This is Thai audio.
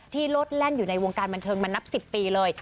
โลดแล่นอยู่ในวงการบันเทิงมานับ๑๐ปีเลย